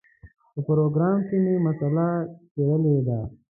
په پروګرام کې دا مسله څېړلې ده.